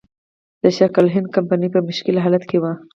د شرق الهند کمپنۍ په مشکل حالت کې وه.